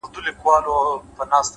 مثبت بدلون له دننه پیلېږي’